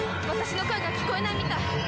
私の声が聞こえないみたい。